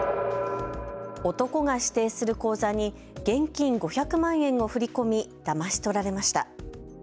男が指定する口座に現金５００万円を振り込みだまし取られました。